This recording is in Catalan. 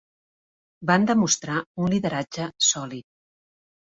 Van demostrar un lideratge sòlid.